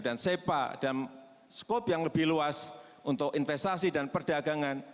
dan sepa dan skop yang lebih luas untuk investasi dan perdagangan